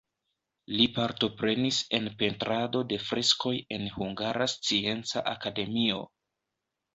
Li partoprenis en pentrado de freskoj en Hungara Scienca Akademio.